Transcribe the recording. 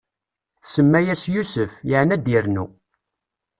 Tsemma-yas Yusef, yeɛni ad d-irnu.